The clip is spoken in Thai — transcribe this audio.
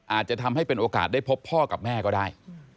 อาจจะทำให้เป็นโอกาสได้พบพ่อกับแม่ก็ได้